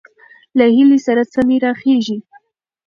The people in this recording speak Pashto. له هيلې سره سمې راخېژي،